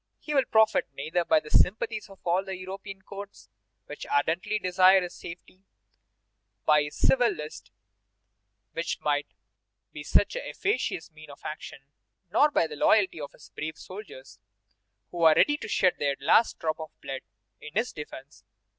He will profit neither by the sympathies of all European courts, which ardently desire his safety; by his civil list, which might be such an efficacious means of action; nor by the loyalty of his brave soldiers, who are ready to shed their last drop of blood in his defence.